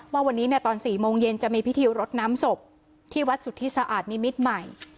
ว่าวันนี้ตอน๔โมงเย็นจะมีพิธีรดน้ำศพที่วัดสุทธิสะอาดนิมิตรใหม่